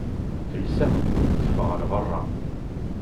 Telsa, teffeɣ ɣer berra.